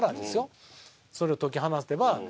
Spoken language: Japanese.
それを解き放てば。